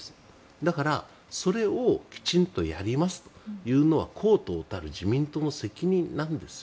だから、それをきちんとやりますというのは公党たる自民党の責任なんですよ。